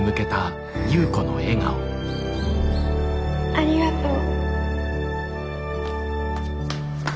ありがとう。